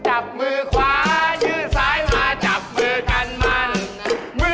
ทำความขอบรม